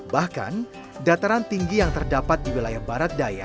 bahkan dataran tinggi yang terdapat di wilayah barat daya